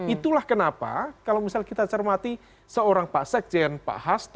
itulah kenapa kalau misal kita cermati seorang pak sekjen pak hasto